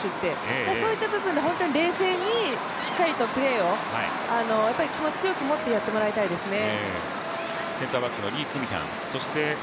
そういった部分で冷静にしっかりとプレーを、気持ちを強くもってやってもらいたいですね。